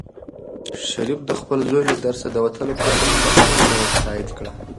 شریف د خپل زوی له درسه د وتلو پرېکړه په بشپړ ډول تایید کړه.